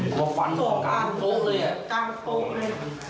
ก็ไม่รู้ทำไม